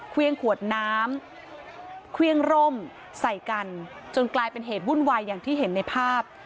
ขวี้งขวดน้ำขวี้งล่มใส่กันจนกลายเป็นเหตุบุนไหวอย่างที่เห็นในภาพ